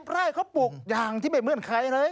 ไร่เขาปลูกอย่างที่ไม่เหมือนใครเลย